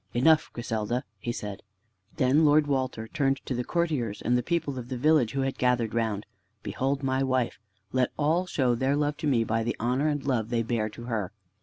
"Enough, Griselda!" he said. Then Lord Walter turned to the courtiers and the people of the village who had gathered round: "Behold my wife! Let all show their love to me by the honor and love they bear to her."